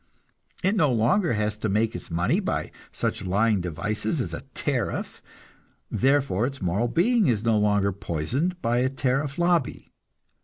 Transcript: It no longer has to make its money by such lying devices as a tariff, therefore its moral being is no longer poisoned by a tariff lobby.